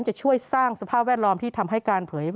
จะช่วยสร้างสภาพแวดล้อมที่ทำให้การเผย